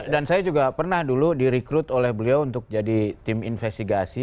dan saya juga pernah dulu direkrut oleh beliau untuk jadi tim investigasi